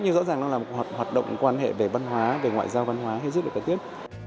nhưng rõ ràng nó là một hoạt động quan hệ về văn hóa về ngoại giao văn hóa rất là cao tiết